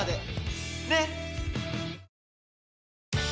ねっ！